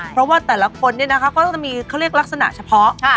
เพราะว่าแต่ละคนเนี่ยนะคะก็จะมีเขาเรียกลักษณะเฉพาะ